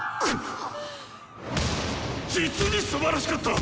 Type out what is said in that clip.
実にすばらしかった！